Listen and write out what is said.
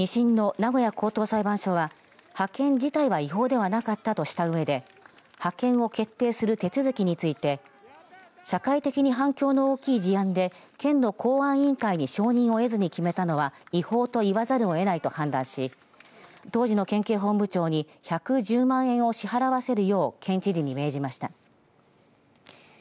２審の名古屋高等裁判所は派遣自体は違法ではなかったとしたうえで派遣を決定する手続きについて社会的に反響の大きい事案で県の公安委員会に承認を得ずに決めたのは違法といわざるをえないと判断し当時の県警本部長に１１０万円を支払わせるよう県知事に命じました。